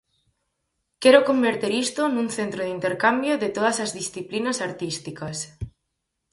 Quero converter isto nun centro de intercambio de todas as disciplinas artísticas.